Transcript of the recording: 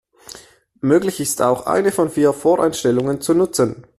Möglich ist auch, eine von vier Voreinstellungen zu nutzen.